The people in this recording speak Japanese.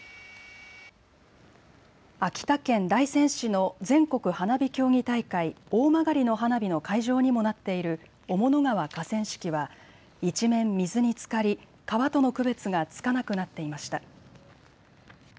秋田県大仙市の全国花火競技大会、大曲の花火の会場にもなっている雄物川河川敷は一面、水につかり川との区別がつかなくなっていました。